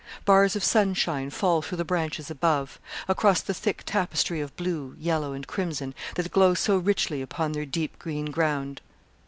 Bars of sunshine fall through the branches above, across the thick tapestry of blue, yellow, and crimson, that glow so richly upon their deep green ground.